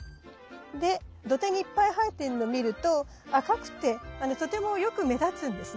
で土手にいっぱい生えてんの見ると赤くてとてもよく目立つんですね。